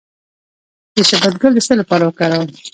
د شبت ګل د څه لپاره وکاروم؟